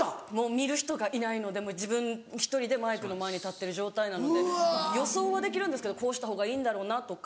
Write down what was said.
見る人がいないので自分１人でマイクの前に立ってる状態なので予想はできるんですけどこうしたほうがいいんだろなとか。